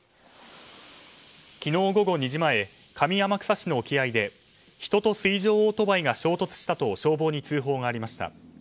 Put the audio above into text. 昨日午後２時前上天草市の沖合で人と水上オートバイが衝突したと消防に通報がありました。